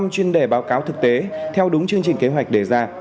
năm chuyên đề báo cáo thực tế theo đúng chương trình kế hoạch đề ra